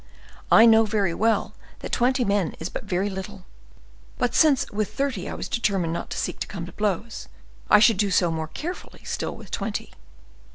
I know very well that twenty men is but very little; but since with thirty I was determined not to seek to come to blows, I should do so more carefully still with twenty.